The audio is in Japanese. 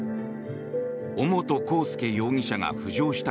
尾本幸祐容疑者が浮上した